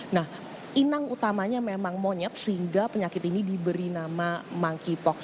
nah inang utamanya memang monyet sehingga penyakit ini diberi nama monkeypox